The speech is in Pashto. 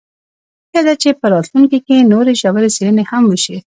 هیله ده چې په راتلونکي کې نورې ژورې څیړنې هم وشي